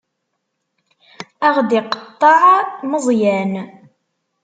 Ad aɣ-d-iqeṭṭeɛ Meẓyan.